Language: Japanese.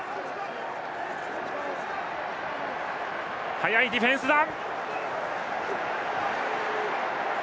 速いディフェンスだ！